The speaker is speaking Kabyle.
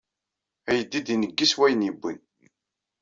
Ayeddid ineggi s wayen yewwi.